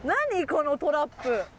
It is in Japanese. このトラップ。